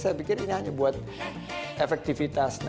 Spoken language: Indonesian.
saya pikir ini hanya buat efektivitas